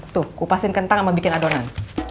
tuh kupasin kentang sama bikin adonan